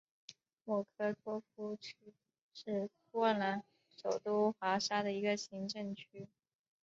莫科托夫区是波兰首都华沙的一个行政区。